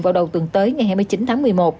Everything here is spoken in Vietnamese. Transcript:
vào đầu tuần tới ngày hai mươi chín tháng một mươi một